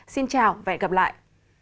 xin chào và hẹn gặp lại